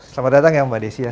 selamat datang ya mbak desi ya